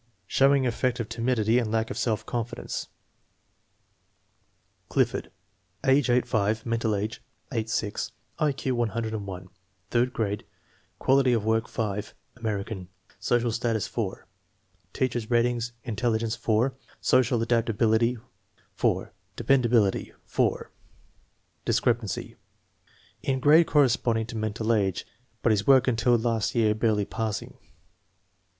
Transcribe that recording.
Showing effect of timidity and lack of self confi dence. Clifford. Age 8 5, mental age 8 6, I Q 101, third grade, quality of work 5. American, social status 4. Teacher's ratings: intelligence 4, social adaptability 4, de pendability 4. Discrepancy: In grade corresponding to mental age, but his work until last year barely passing.